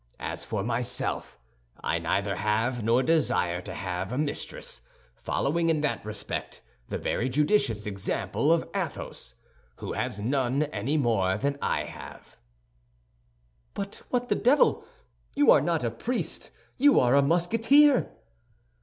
As for myself, I neither have, nor desire to have, a mistress, following in that respect the very judicious example of Athos, who has none any more than I have." "But what the devil! You are not a priest, you are a Musketeer!"